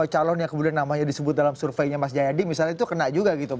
calon yang kemudian namanya disebut dalam surveinya mas jayadi misalnya itu kena juga gitu